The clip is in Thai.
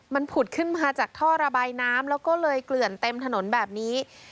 มันผุดขึ้นมาจากท่อระบายน้ำแล้วก็เลยเกลื่อนเต็มถนนแบบนี้